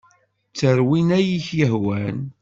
Tter win ay ak-yehwan.